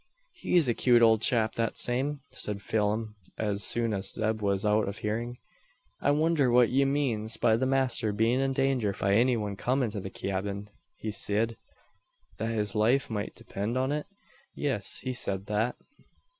"He's a cute owld chap that same," said Phelim as soon as Zeb was out of hearing. "I wonder what he manes by the master bein' in danger from any wan comin' to the cyabin. He sed, that his life moight depend upon it? Yis he sed that."